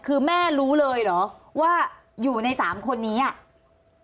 คือแม่รู้เลยเหรอว่าอยู่ในสามคนนี้อ่ะ